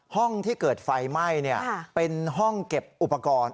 ห้องที่เกิดไฟไหม้เป็นห้องเก็บอุปกรณ์